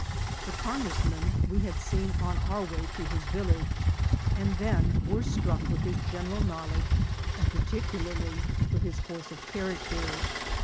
The Congressman we had seen 'on our way through his village, .and then were struck with his general knowledge, and particularly with his force of character.